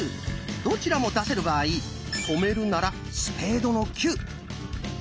どちらも出せる場合止めるなら「スペードの９」。